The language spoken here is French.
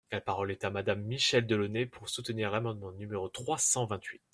La parole est à Madame Michèle Delaunay, pour soutenir l’amendement numéro trois cent vingt-huit.